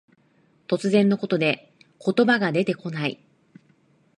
突然のことで言葉が出てこない。